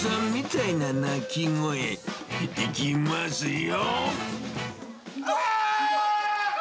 いきますよ。